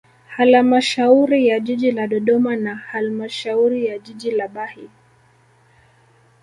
Halamashauri ya jiji la Dodoma na halmashauri ya jiji la Bahi